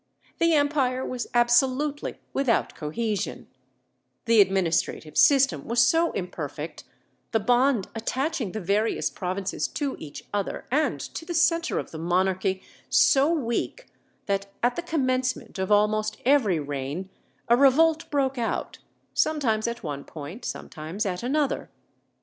The empire was absolutely without cohesion; the administrative system was so imperfect, the bond attaching the various provinces to each other, and to the centre of the monarchy, so weak that at the commencement of almost every reign a revolt broke out, sometimes at one point, sometimes at another.